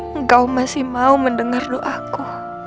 engkau masih mau mendengar doaku